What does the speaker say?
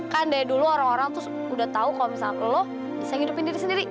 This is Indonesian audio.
kan dari dulu orang orang tuh udah tau kalau misalnya ke lo bisa ngidupin diri sendiri